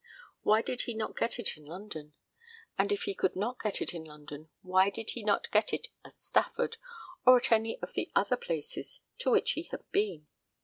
Why did he not get it in London? And if he could not get it in London, why did he not get it at Stafford, or at any of the other places to which he had been?